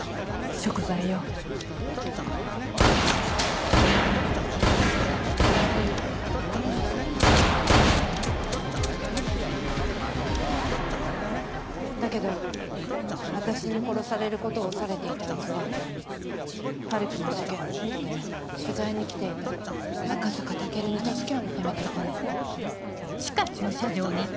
空撃ちの音だけど私に殺されることを恐れていたあいつは晴希の事件のことで取材に来ていた赤坂武尊に助けを求めていたの。